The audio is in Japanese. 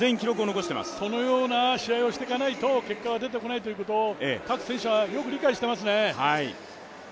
そのような試合をしていかないと結果が出ないことを各選手はよく理解してますね。